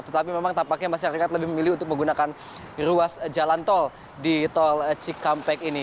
tetapi memang tampaknya masyarakat lebih memilih untuk menggunakan ruas jalan tol di tol cikampek ini